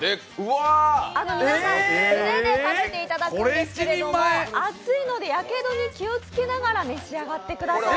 素手で食べていただくんですけれども、熱いのでやけどに気をつけながら召し上がってください。